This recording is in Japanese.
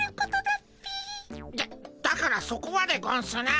だっだからそこはでゴンスな。